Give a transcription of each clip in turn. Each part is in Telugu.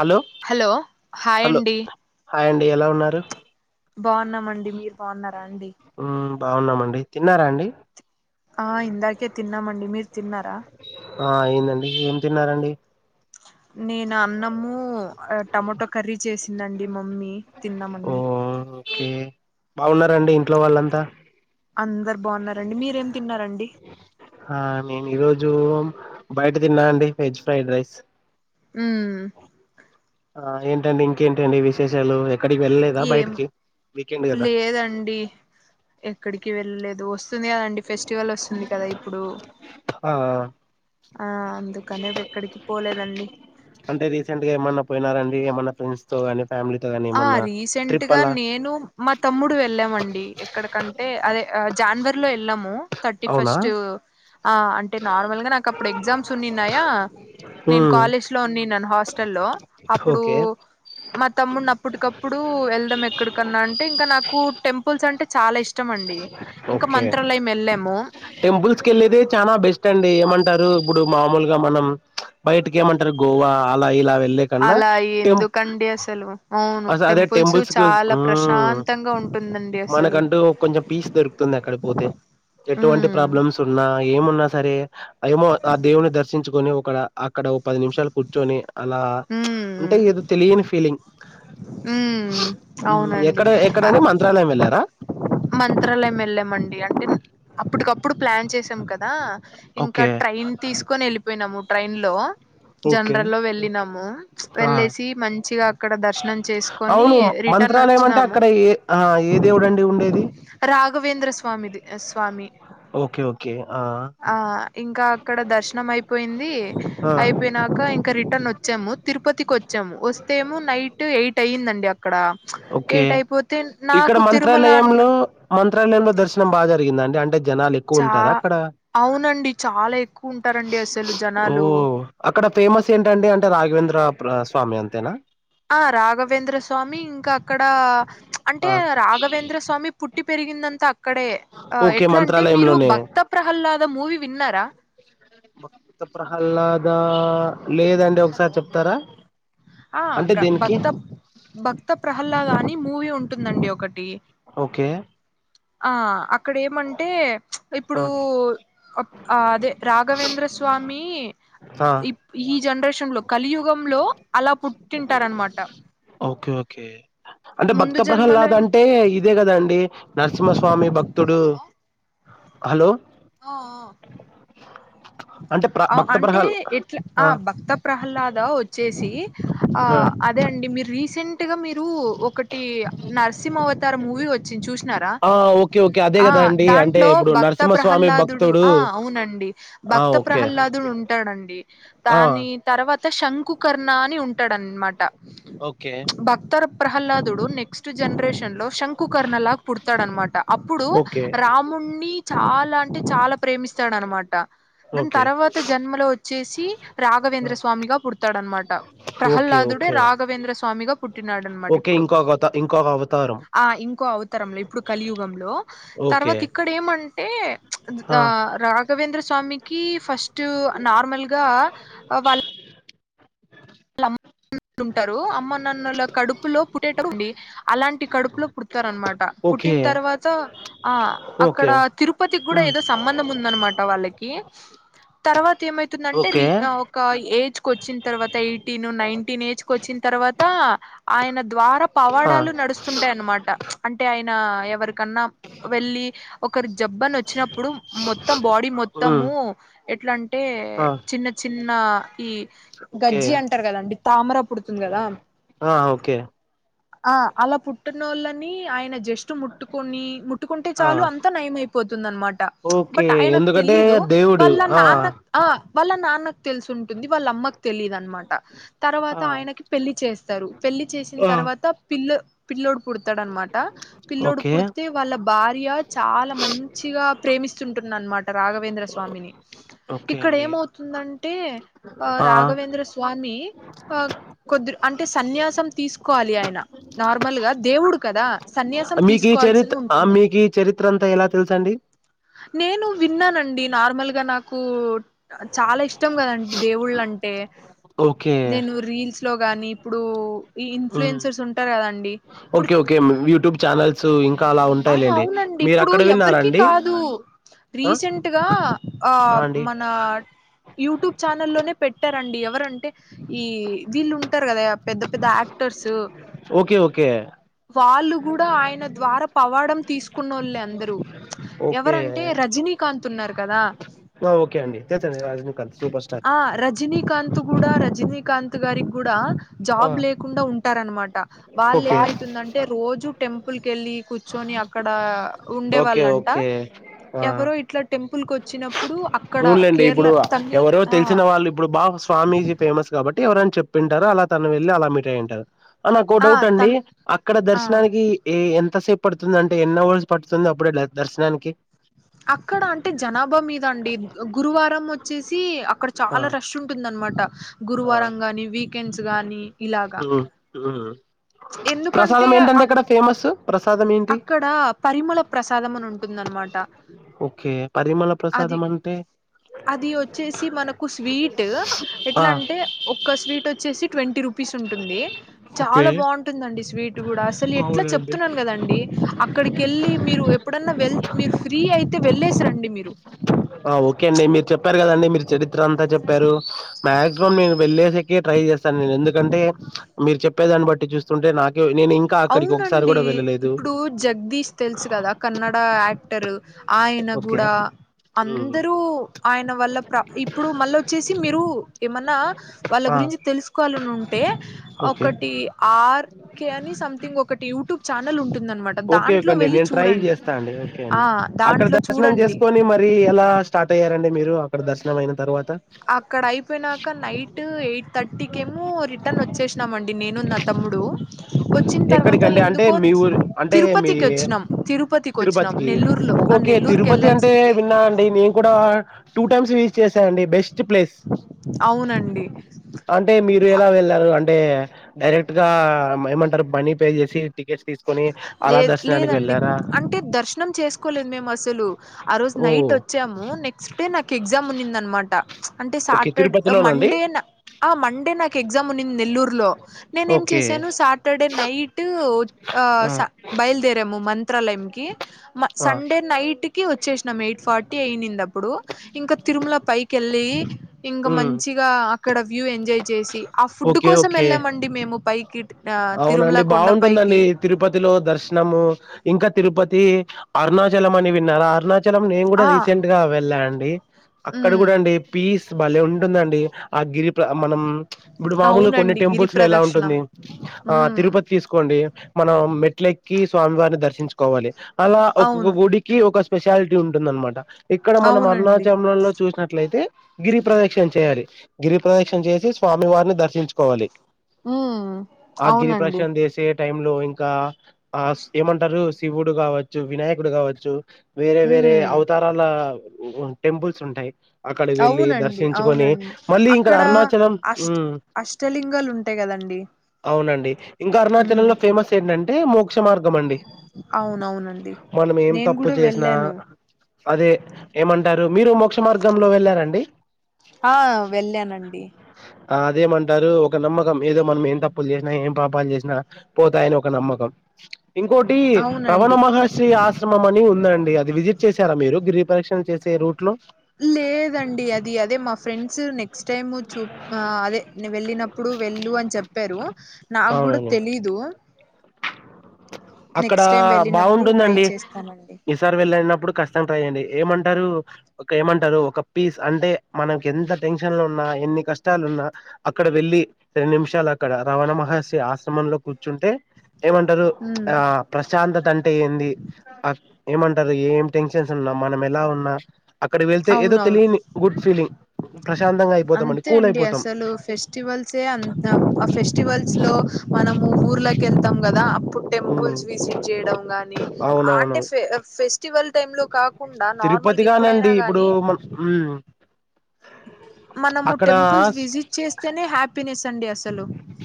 హలో హలో హాయ్ హలో అండి అండి ఎలా ఉన్నారు బాగున్నామండి మీరు బాగున్నారా అండి మ్మ్ బాగున్నామండి తిన్నారా అండి ఆ ఇందాకే తిన్నామండి మీరు తిన్నారా ఆ అయిందండి ఏం తిన్నారండి [inaudible] నేను అన్నము టమటో కర్రీ చేసిందండి మమ్మీ ఓ తిన్నామండి ఓకే బాగున్నారండి ఇంట్లో వాళ్ళంతా అందరు బాగున్నారండి మీరేం తిన్నారండి ఆ నేను ఈరోజు బయట తిన్నా అండి వెజ్ ఫ్రైడ్ రైస్ మ్మ్ ఆ ఏంటండి ఇంకేంటండి విశేషాలు ఎక్కడికి వెళ్ళలేదా ఏం బయటికి వీకెండ్ కదా లేదండి ఎక్కడికి వెళ్లేదు వస్తు వస్తుంది కదండి ఫెస్టివల్ వస్తుంది కదా ఇప్పుడు ఆ ఆ అందుకు కానే ఎక్కడికి పోలేదండి అంటే రీసెంట్ గా ఏమన్నా పోయినారం అడి ఏమన్నా ఫ్రెండ్స్ తో అని ఆ రీసెంట్గా నేను మా తమ్ముడు వెళ్ళామండి ఎక్కడకంటే అదే జానవరి లో వెళ్ళము థర్టీ అవునా ఫస్ట్ ఆ అంటే నార్మల్ గా నాకు అప్పుడు ఎగ్జామ్స్ ఉన్నిన్నాయా నేను మ్మ్ కాలేజ్ లో ఉన్ని హాస్టల్ లో అప్పుడు ఓకే మా తమ్ అప్పటికప్పుడు వెళ్దాం ఎక్కడికన్నా అంటే ఇంకా నాకు టెంపుల్స్ అంటే చాలా ఇష్టం అండి ఇంకా ఓకే మంత్రలయం వెళ్ళాము టెంపుల్స్ కె వెళ్ళేదే చాలా బెస్ట్ అండి ఏమంటారు ఇప్పుడు మామూలుగా మనం బైయటికేమంటారు గోవా అలా ఇలావ కన్నా అలా టె ఎందుకండి అసలు అవును అదే టెంపుల్స్ చాలా మ్మ్ ప్రశాంతంగా ఉంటుందండి అసలు మనకంటూ కొంచెం పీస్ దొరుకుతుంది అక్కడి పోతే ఎటువంటి ప్ర ఉమ్ ప్రాబ్లమ్స్ ఉన్నా ఏమున్నా సరే ఏమో ఆ దేవుని దర్శించుకొని అక్కడ అక్కడ ఓ పది నిమిషాలు కూర్చొని అలా ఉంటే ఉమ్ ఏదో తెలియని ఫీలింగ్ హ్మ్. అవునండి. ఎక్కడ ఎక్కడండి ఆహ్, మంత్రాలయం వెళ్ళారా మంత్రాలయం వెళ్ళామండి అంటే అప్పటికప్పుడు ప్లాన్ చేసాం కదా ఇంకా ఓకే ట్రైన్ తీసుకొని వెళ్ళిపోయినాము ట్రైన్ లో ఓకే జనరల్లో వెళ్ళినాము ఆ వెళ్ళేసి మంచిగా అక్కడ దర్శనం చేసుకొని అవును రిటర్న్ మంత్రాలయం అంటే వచ్చినాము అక్కడ ఏ ఆ ఏ దేవుడండి ఉండేది రఘావేంద్ర స్వామిది స్వామి ఓకే ఓకే ఆ ఆ ఇంకా అక్కడ దర్శనం అయిపోయింది ఆ అయిపోయినాక ఇంకా రిటర్న్ వచ్చాము తిరుపతికి వచ్చ వచ్చము వస్తేమ నైట్ ఎయిట్ అయ్యిందండి ఓకే ఇక్కడ నాకు తిరుమల అన్ మంత్రాలయంలో మంత్రాలయంలో దర్శనం బాగా జరిగిందండి అంటే జనాలు ఎక్కువ చా ఉంటారా అక్కడ అవునండి చాలా ఎక్కువ ఉంటారండి అసలు ఓ జనాలు అక్కడ ఫేమస్ ఏంటండి అంటే రాఘావేంద్ర స్వామి అంతేనా ఆ రాఘవేంద్ర స్వామి ఇంకా అక్కడ అంటే ఆ రాఘవేంద్ర స్వామి పుట్ పుట్టి పెరిగిందంతా అక్కడే ఆ ఓకే ఎట్లా అంటే మీరు మంత్రాలయంలోనే భక్త ప్రహ్లాద మూవీ విన్నారా భక్త ప్రహ్లాద లేదండి ఒకసారి హలో చెప్తారా ఆ అంటే బ దీనికి భక్త భక్త ప్రహ్లాద అని మూవీ ఉంటుందండి ఒకటి ఓకే ఆ అక్కడ ఏమంటే ఆ ఇప్పుడు ఆ అదే రాఘవేంద్ర స్వామి ఆ ఇ ఈ జనరేషన్ లో కలియుగంలో అలా పుట్టింటారనమాట ఓకే అంటే ముందు భక్త జన్మలో ప్రహల్లాద ఏం- అంటే ఇదే కద అండి నరసింహ స్వామి భక్తుడు హలో ఆఆ అంటే ప్ర అ భక్త అంటే ప్రహల్ ఇట్లా ఆ భక్త ప్రహ్లాద వచ్చేసి ఆ అదే అండి మీరు రీసెంట్గా మీరు ఒక ఇ నర్సింహ అవతార మూవీ వచ్చింది చూసినారా ఆ! ఓకే. ఓకే. అదే ఆ గదండీ! అంటే దాంట్లో ఇప్పుడు భక్త నరసింహస్వామి ప్రహ్లాదుడు భక్తుడు ఆ అవునండి ఆ! భక్త ఓకే. ప్రహ్లాదుడు ఉంటాడు అండి ఆ! దాని తర్వాత శంకుకర్ణ అని ఉంటాడనమాట ఓకే. బక్తర్ ప్రహ్లాదుడు నెక్స్ట్ జనరేషన్ లో శంకుకర్ణ లాగా పుడతాడు అనమాట అప్పుడు ఓకే. రాముణ్ణి చాలా అంటే చాలా ప్రేమిస్తాడనమాట దాని ఓకే. తర్వాత జన్మలో వచ్చేసి ఆ! రాఘవేంద్ర స్వామిగా పుడతాడనమాట ఓకే. ప్రహ్లాదుడే ఓకే. రాఘవేంద్ర స్వామిగా పుట్టినాడనమాట ఓకే. ఇప్పుడు ఇంకో అవత ఇంకొక అవతారం. ఆ ఇంకో అవతరంలో ఇప్పుడు కలియుగంలో ఓకే. తర్వాత ఇక్కడ ఏం [unintelligible] అంటే ఆ! రాఘవేంద్ర స్వామికి ఫస్ట్ నార్మల్గా వాళ్ళ వాళ్ళ అమ్మ టారు అమ్మ నాన్న ల కడుపులో పుట్టేటప్పుడు అండి అలాంటి కడుపులో పుడతారు అనమాట పు ఓకే. పుట్టిన తర్వాత ఆ అక్కడ ఓకే. తిరుపతికి కూడా హ్మ్. ఏదో సంబంధం ఉందనమాట వాళ్ళకి తర్వాత ఏమైతుందంటే ఓకే. రీ ఒక ఏజ్ కు వచ్చిన తర్వాత ఎయి నైన్టీన్ ఏజ్ కు వచ్చిన తర్వాత ఆయన ద్వారా ఆ! పవాడాలు నడుస్తుంటాయి అన్నమాట అంటే ఆయన ఎవరికన్నా వెళ్ళి ఒక ఒకరి జబ్బు అని వచ్చినప్పుడు మొత్తం బాడీ హ్మ్. మొత్తము ఎట్లా అంటే ఆ! చిన్న చిన్న నా ఈ ఓకే. గజ్జి అంట టారా కదండి తామరా పుడుతుంది కదా ఆ! ఓకే. అలా పుట్టినోళ్ళ నీ ఆయన జస్ట్ ముట్టుకొని ముట్టుకుంటే ఆ! చాలు అంత నయమయి దనమాట ఓకే. బట్ ఆయనకు ఎందుకంటే తెలీదు దేవుడు. వాళ్ళ ఆ! నాన్న ఆ వాళ్ళ నాన్నకు తెలిసి ఉంటుంది వాళ్ళ అమ్మకు తెలిదు అనమాట ఆ! తర్వాత ఆయనకి పెళ్లి చేస్తారు పెళ్లి చేసిన ఆ! తర్వాత పిల్ల పిల్ల్లోడు పుడతాడు అనమాట ఆ పిల్లోడు ఓకే. పుడితే వాళ్ళ భార్య చాలా మంచిగా ప్రేమిస్తుంటుంది అన్నమాట రాఘవేంద్ర స్వామిని ఓకే ఇక్కడ అండి. ఏమవుతుందంటే ఆ రాఘవేంద్ర స్వామి ఆ కొద్దిరు అంటే సన్యాసం తీసుకోవాలి ఆయన నార్మల్ గా దేవుడు కదా సన్యాసం మీకు ఈ తీసుకోవాల్సి చరిత్ర ఆ ఉంటుంది మీకు ఈ చరిత్ర అంతా ఎలా తెలుసా అండి నేను విన్నానండి నార్మల్ గా నాకు చాలా ఇష్ట ఇష్టం కదండి దేవుళ్ళ అంటే ఓకే. నేను రీల్స్ లో గాని ఇప్పుడు ఈ హ్మ్. ఇన్ఫ్లుయెన్సర్స్ ఉంటారు కదండి ఇప్పుడు ఓకే. ఓకే. మ్ యూట్యూబ్ ఛానల్స్ ఇంకా అలా ఆ ఉంటాయిలేండి. అవునండి ఇప్పుడు మీరక్కడ ఎవరికి విన్నారాండి? కాదు తూ ఆ! రీసెంట్గా ఆ మన యూట్యూబ్ ఛానల్ల్లోనే పెట్టారండి ఎవరంటే ఈ వీళ్ళు కదా పెద్ద పెద్ద యాక్టర్స్ ఓకే. ఓకే. వాళ్ళు కూడా ఆయన ద్వారా పవాడం తీసుకున్న వాళ్ళు అందరూ ఓకే. ఎవరంటే రజనీకాంత్ తున్నారు కదా ఆ! ఓకే అండి. తెలుసండి 'రజనీకాంత్' సూపర్ స్టార్. ఆ రజినీకాంతు గూడా రజినీకాంత్ త్ గారిక్ గుడా ఆ! జాబ్ లేకుండా ఉంటారన్మాట ఓకే. వాళ్లేమ రోజూ టెంపుల్ కెళ్ళి కూర్చొని అక్కడ ఉండే ఓకే. వాళ్ళంట ఎవరో ఇట్ల టెం అవున్లేండి ఇప్పుడు తమిళ్ ఎవరో ఆ తెల్సిన వాళ్ళు ఇప్పుడు బా స్వామీజీ ఫేమస్ కాబట్టి ని చెప్పింటరు. అలా తను వెళ్ళి అలా మీట్ అయింటరు. ఆ నాకో డౌట్ అండి అక్కడ ఆ దర్శనానికి ఏ ఎంతసేప్ పడుతుంది. అంటే ఎన్ అవర్స్ పడుతుంది అప్పుడే దర్శనానికి అక్కడ అంటే జనాభా మీద అండి గురువారం వచ్చేసి అక్కడ ఆ! చాలా రష్ ఉంటుం దన్మాట. ఆ! గురువారం గానీ వీకెండ్స్ గాని ఇలాగా హ్మ్. హ్మ్. ఎందుకంటే ప్రసాదం అ ఏంటంటే ఇక్కడ ఫేమస్ ప్రసాదం ఏంటి అక్కడ పరిమల ప్రసాదం అని ఉంటుందన్మాట. ఓకే పరిమళ ప్రసాదం అంటే? అది ఒచ్చేసి మనకు స్వీట్ ఆ ఎట్లంటే ఒక్క స్వీట్ వచ్చేసి ట్వంటీ రూపీస్ ఉంటుంది. ఓకే చాలా బాగుంటుందండి స్వీట్ గుడా అసల్ ఎట్ల అవునండి చెప్తున్నాను కదండి అక్కడికెళ్ళి మీరు ఎప్పుడన్న వెళ్ మీర్ ఫ్రీ అయితే వెళ్ళేసి రండి మీరు ఆ ఓకే అండి మీరు చెప్పారు కదండి మీరు చరిత్ర అంతా చెప్పారు మాక్సిమం మేము వెళ్ళేసెకే ట్రై చేస్తాన్ నేను ఎందుకంటే మీరు చెప్పేదాన్ని బట్టి చూస్తుంటే నా అవునండి. ఇప్పుడు జగ్దీష్ తెల్సు కదా కన్నడ యాక్టర్ ఆ యన ఓకే గూడ ఉమ్. అందరూ ఆయన వల్ల ప్ర ఇప్పుడు మళ్ళ వచ్చేసి మీరు ఏమన్నా వాళ్ళ ఆ గు రించి తెల్సుకోవాలనుంటే ఓకే ఒకటి ఆర్ కే అని సమ్ థింగ్ ఒకటి యూట్యూబ్ ఛానెల్ ఉంటుందన్మాట ఓకే ఓకే దాంట్లో అండి వెళ్ళి నేను ట్రై చూడండి ఆ దాంట్లో చూ నం చేస్కోని మరి ఎలా స్టార్ట్ అయ్యారండి మీరు అక్కడ దర్శనం అయిన తర్వా అక్కడ అయిపోనాక నైట్ ఎయిట్ థర్టీకేమో రిటర్న్ వచ్చేసినం అండి నేను నా తమ్ముడు. వచ్చిన్ తర్వాత ఎక్కడికండి అంటే ఎందుకో మీ ఊరు అంటే మీ తిరుపతికి వచ్చినం. తిరుపతికి వచ్చి నం నెల్లూర్లో ఆ ఓకే తిరుపతి అంటే నెల్లూర్కెళ్లాల్సింది విన్నా అండి నేన్ కూడా టూ టైమ్స్ విసిట్ చేసా అండి బెస్ స్ట్ ప్లేస్ అవునండి అంటే మీరు ఎలా ఎళ్ళారు అం టే డైరెక్ట్గా ఏమంటరు మనీ పే చేసి టికెట్స్ తీసుకొని అలా లేదు దర్శనానికి లేదండి వెళ్ళారా అంటే దర్శనం చేస్కోలేద్ మేం అసలు ఆ రోజ్ ఓ నైట్ వచ్చాము. నెక్స్ట్ డే నాక్ ఎగ్జామ్ ఉన్నిందన్మాట. అంటే ఓకే సాటర్ తిరుపతిలోనండి మండే న ఆ మండే నాక్ ఎగ్జామ్ ఉన్నింది నెల్లూర్లో నేనేం ఓకే చేశాను సాటర్డే నైట్ ఆ స బయల్దేరాము మంత్రాలయంకి మ ఆ సండే నైట్ కి వచ్చేసినం ఎయిట్ ఫార్టీ అయింది అప్పుడు ఇంకా తిరుమల పైకె వెళ్ళి ఇంకా ఉమ్ మంచిగా అక్కడ వ్యూ ఎంజాయ్ చేసి ఆ ఫుడ్ ఓకే కోసం ఓకే ఎళ్ళామండి మేము పైకిట్ అవునండి బాగుంటుందండి తిరుప లో దర్శనము ఇంకా తిరుపతి, అరుణాచలం అని విన్నారా అరుణా నేన్ గుడా ఆ రీసెంట్గా వెళ్ళా అండి అక్కడ ఉమ్ గుడా అండి పీస్ భలే ఉంటుందండి. ఆ గిరి ప్ర మనం ఇప్పుడు మాముూల్గా కొన్ని అవునండి గిరి టెంపుల్స్లో ఎలా ప్రదక్షిణం ఉంటుంది. ఆ ఉమ్ తిరుపతి తీస్కోండి మనం మెట్లెక్కి స్వామివార్ని దర్శ ఊహించుకోవాలి. అలా ఒక్కొక్క అవును గుడికి ఒక స్పెషాలిటీ ఉంటుందన్మాట. ఇక్కడ మనం అవునండి అరుణాచలల్లో చూసినట్లయితే గిరి ప్రదక్షిణ చేయాలి. గిరి ప్రదక్షిణ చేసి స్వామివారిని దర్శించుకోవాలి. మ్ ఆ గిరి ప్రదక్షణ చేసి టైమ్లో ఇంకా ఆ ఏమంటారు శివుడు కావచ్చు, వినాయకుడు కావచ్చు, వేరే వేరే ఉమ్ అవతారాల టెంపుల్స్ ఉంటాయి అక్కడికి వెళ్ళి అవునండి దర్శించుకొని అవునండి మళ్ళీ ఇక్కడ అక్కడ అరుణాచలం అష్ట ఉమ్ అష్టలింగాలు ఉంటాయి కదండి అండి అవునండి ఇంకా అరుణాచలంలో ఫేమస్ ఏంటంటే మోక్ష మార్గం అండి అవునవునండి మనం ఏం నేను తప్పు కూడా చేసినా వెళ్ళాను అదే ఏమంటారు మీరు మోక్ష మార్గంలో వెళ్ళారండి ఆ వెళ్ళానండి ఆ అదేమంటారు ఒక నమ్మకం ఏదో మనం ఏం త ప్పులు జేసినా ఏం పాపాలు జేసినా పోతాయని ఒక నమ్మకం ఇంకోటి రవణ అవునండి మహార్షి ఆశ్రమం అని ఉందండి అది విజిట్ చేశారా మీరు గిరి ప్రదర్శన చేసే రూట్ లో లేదండి అది అదే మా ఫ్రెండ్స్ నెక్స్ట్ టైమ్ చూ అదే వెళ్ళినప్పుడు వె ళ్ళు అని చెప్పారు నాకు గూడా అవునండి తెలీదు అక్కడ నెక్స్ట్ టైం వెళ్ళినప్పుడు ట్రై బాగుంటుందండి చేస్తానండి ఈసారి వెళ్ళిన ప్పుడు ఖచ్చితంగా ట్రైచేయండి ఏమంటారు ఒక ఏమంటారు ఒక పీస్ అంటే మనకి ఎంత టెన్షన్ లో ఉన్నా ఆ ఎన్ని కష్టాలున్నా అక్కడ వెళ్ళి రెండు నిమిషాలు అక్కడ రవణ మహర్షి ఆశ్రమంలో కూర్చుంటే ఏమంటారు ఉమ్ ఆ ప్రశాంతత అంటే ఏంది ఏమంటారు ఏం టెన్షన్స్ ఉన్నా మనం ఎలా ఉన్నా అక్కడ వెళ్తే ఏదో అవునవును తెలియని గుడ్ ఫీలింగ్ ప్రశాంతంగా అయిపోతాం అంతే కూల్ అండి అయిపోతాం అసలు ఫెస్టివల్సే అంత ఆ ఫెస్టివల్ స్లో మనము ఊర్ల కెళ్తాం గదా ఇప్పుడు ఉమ్, టెంపుల్స్ విజిట్ చేయడం గానీ అవునవును అంటే ఫెస్టివల్ టైం లో కాకుండా నార్మల్ తిరుపతిగానండి ఎప్పుడైనా ఇప్పుడు గానీ మన ఉమ్, మనము అక్కడ టెంపుల్స్ విజిట్ చేస్తేనే హ్యాపీనెస్ అండి అసలు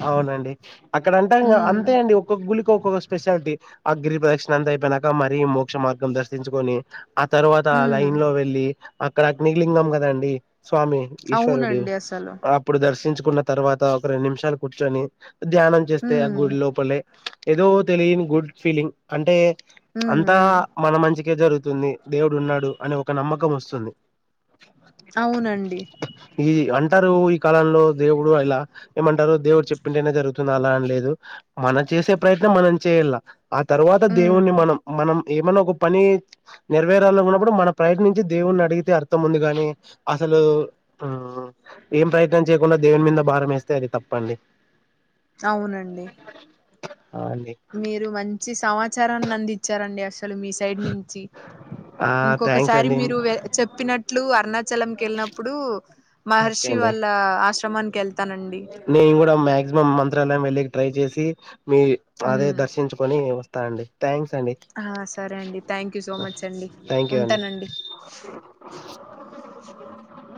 అవునండి అక్కడ అంటా ఉమ్ అంతే అండి ఒక్కొక్క గుడికి ఒక్కొక్క స్పెషాలిటీ అ గిరి ప్రదర్శన అంతా అయిపోయినాక మరీ మోక్ష మార్గం దర్శించుకొని ఆ తర్వాత ఉమ్ లైన్ లో వెళ్ళి అక్కడ అగ్నిలింగం కదండి స్వామి ఈశ్వరుడు అవునండి అసలు అప్పుడు దర్శించుకున్న తర్వాత ఒక రెండు నిమిషాలు కూర్చొని ధ్యానం చేస్తే ఆ ఉమ్ గుడి లోపలే ఏదో తెలియని గుడ్ ఫీలింగ్ అంటే ఉమ్ అంతా ఉమ్ మన మంచికే జరుగుతుంది దేవుడు ఉన్నాడు అని ఒక నమ్మకం వస్తుంది అవునండి ఈ అంటారు ఈ కాలంలో దేవుడు ఇలా ఏమంటారు దేవుడు చెప్పింటేనే జరుగుతుంది అలా అని లేదు మనం చేసే ప్రయత్నం మనం చేయాలా ఆ తర్వాత ఉమ్ దేవుణ్ణి మనం మనం ఏమైన్నా ఒక పని నెరవేరాల ఉన్నప్పుడు మన ప్రయత్నించి దేవుని అడిగితే అర్థం ఉంది గాని అసలు ఏం ప్రయత్నం చేయకుండా దేవుని మీద భారం యేస్తే అది తప్పండి అవునండి ఆ అండి మీరు మంచి సమాచారాన్ని అందించారండి అసలు మీ సైడ్ నుంచి ఆ థ్యాంక్స్ ఇంకొకసారి అండి మీరు చెప్పినట్లు అరుణాచలం కెళ్ళినప్పుడు ఓకే మహర్షి అండి వాళ్ళ ఆశ్రమానికి వెళ్తానండి నేను కూడా మాక్సిమం మంత్రాలయం వెళ్ళకి ట్రై చేసి మీ అదే ఉమ్ దర్శించుకొని వస్తానండి థ్యాంక్స్ అండి ఆ సరే అండి థ్యాంక్ యూ సో మచ్ అండి థ్యాంక్ యూ అండి ఉంటానండి అాల సూ మ [unintelligible]